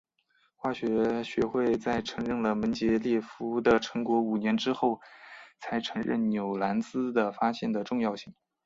化学学会在承认了门捷列夫的成果五年之后才承认纽兰兹的发现的重要性。